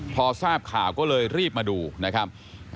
พอทราบข่าวก็เลยรีบมาดูนะครับ